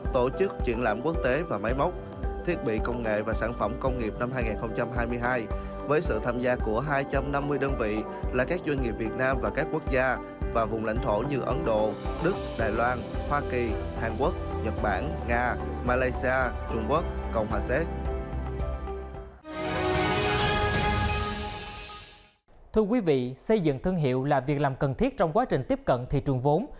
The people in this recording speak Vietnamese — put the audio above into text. thưa quý vị xây dựng thương hiệu là việc làm cần thiết trong quá trình tiếp cận thị trường vốn